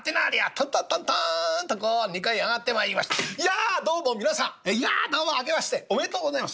トントントントンとこう２階へ上がってまいりまして「いやどうも皆さんいやどうも明けましておめでとうございます。